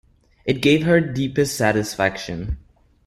It gave her deepest satisfaction.